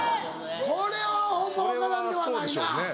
・これはホンマ分からんではないな。